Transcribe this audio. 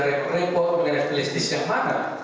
dari repotasi dari flash disk yang mana